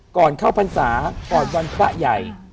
ก่อนเข้าพันธ์สาห์ก่อนวันพระใหญ่